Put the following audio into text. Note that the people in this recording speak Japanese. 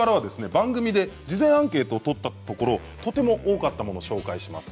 番組で事前アンケートを取ったところとても多かったものを紹介します。